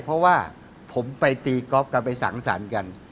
เพราะว่าผมไปตีก๊อฟกันไปสังสรรค์กัน